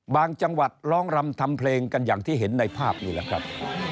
จังหวัดร้องรำทำเพลงกันอย่างที่เห็นในภาพนี่แหละครับ